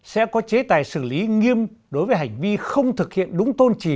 sẽ có chế tài xử lý nghiêm đối với hành vi không thực hiện đúng tôn trì